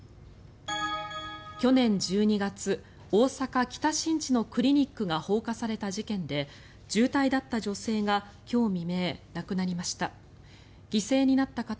去年１２月、大阪・北新地のクリニックが放火された事件で重体だった女性が今日未明、亡くなりました。